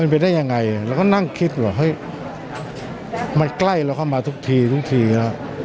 มันใกล้เราเข้ามาทุกทีทุกทีครับ